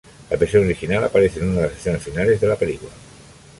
La versión original aparece en una de las escenas finales de la película.